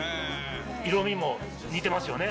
色味も似てますよね。